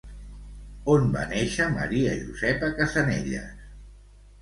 On va néixer Maria Josepa Casanellas?